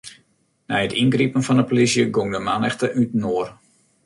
Nei it yngripen fan 'e polysje gong de mannichte útinoar.